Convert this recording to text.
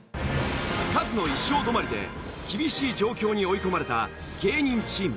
カズの１勝止まりで厳しい状況に追い込まれた芸人チーム。